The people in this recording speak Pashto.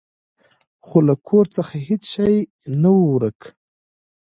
خو له کور څخه هیڅ شی نه و ورک.